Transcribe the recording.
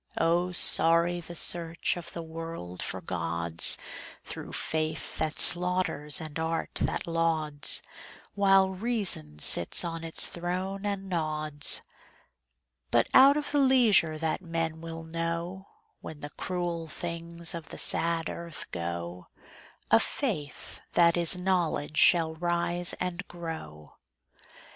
Oh, sorry the search of the world for gods, Through faith that slaughters and art that lauds, While reason sits on its throne and nods. But out of the leisure that men will know, When the cruel things of the sad earth go, A Faith that is Knowledge shall rise and grow.